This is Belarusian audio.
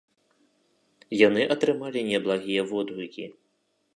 Яны атрымалі неблагія водгукі.